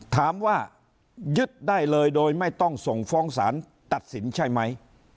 ถามว่ายึดได้เลยโดยไม่ต้องส่งฟ้องสารตัดสินใช่ไหม